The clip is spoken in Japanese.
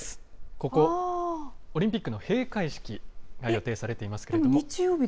ここ、オリンピックの閉会式が予定されていますけれども。